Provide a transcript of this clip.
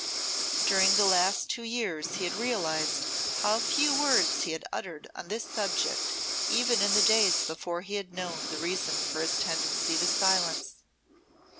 During the last two years he had realised how few words he had uttered on this subject even in the days before he had known the reason for his tendency to silence.